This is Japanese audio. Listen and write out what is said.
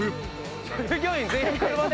従業員全員車で？